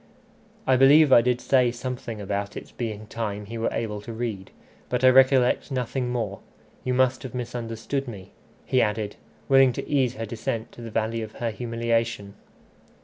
"I believe I did say something about its being time he were able to read, but I recollect nothing more. You must have misunderstood me," he added, willing to ease her descent to the valley of her humiliation.